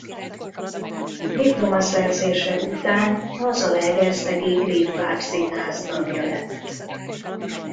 Diplomaszerzése után a zalaegerszegi Griff Bábszínház tagja lett.